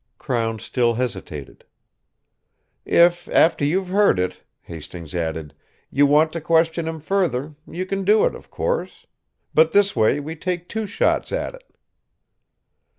Crown still hesitated. "If, after you've heard it," Hastings added, "you want to question him further, you can do it, of course. But this way we take two shots at it."